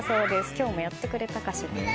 今日もやってくれたかしら。